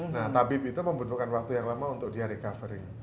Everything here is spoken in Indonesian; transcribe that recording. nah tabib itu membutuhkan waktu yang lama untuk dia recovery